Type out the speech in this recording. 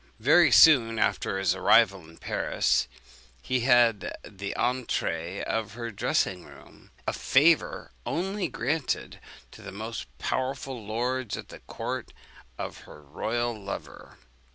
Very soon after his arrival in Paris, he had the entrée of her dressing room; a favour only granted to the most powerful lords at the court of her royal lover.